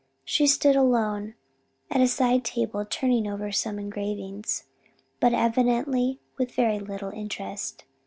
She stood alone at a side table turning over some engravings, but evidently with very little interest.